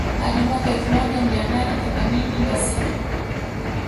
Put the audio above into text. Hadi mwaka wa elfu mija mia nane themanini na sita